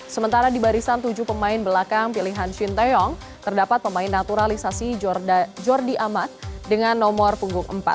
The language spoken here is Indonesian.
sementara di barisan tujuh pemain belakang pilihan shin taeyong terdapat pemain naturalisasi jordi amat dengan nomor punggung empat